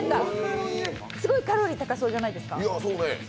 すごいカロリー高そうじゃないですか。